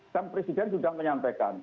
dan presiden juga menyampaikan